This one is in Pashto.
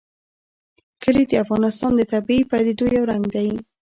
کلي د افغانستان د طبیعي پدیدو یو رنګ دی.